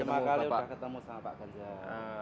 kita lima kali ya ketemu pak ganjar